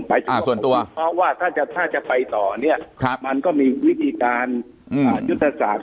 เพราะว่าถ้าจะไปต่อเนี่ยมันก็มีวิธีการยุทธศาสตร์